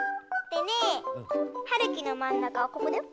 でねはるきのまんなかはここだよ。